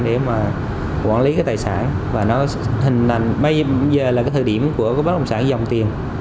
để mà quản lý cái tài sản và nó hình thành bây giờ là thời điểm của bất động sản dòng tiền